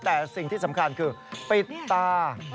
แต่สิ่งที่สำคัญคือปิดตา